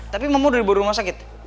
tapi mama udah dibawa rumah sakit